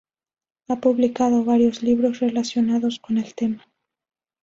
Ha publicado varios libros relacionados con el tema.